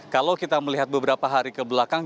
kalau kita melihat beberapa hari ke belakang